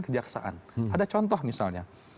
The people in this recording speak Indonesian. kejaksaan ada contoh misalnya